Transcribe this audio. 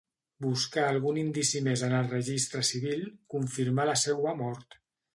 Buscar algun indici més en el registre civil, confirmar la seua mort.